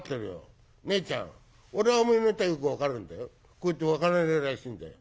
こいつ分からねえらしいんだよ。